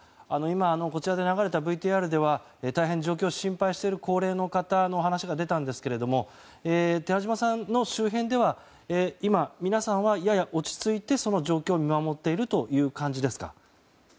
今、こちらで流れたＶＴＲでは、大変状況を心配している高齢の方の話が出たんですが寺島さんの周辺では今、皆さんはやや落ち着いてその状況を見守っているという感じですか？